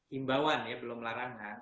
himbawan ya belum larangan